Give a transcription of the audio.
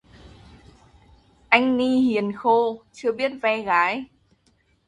Anh ni hiền khô, chưa biết ve gái